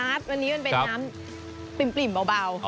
ไม่พัดวันนี้มันเป็นน้ำปลิ่มเบา